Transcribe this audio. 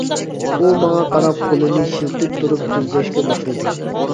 ئۇ ماڭا قاراپ قولىنى شىلتىپ تۇرۇپ سۆزلەشكە باشلىدى.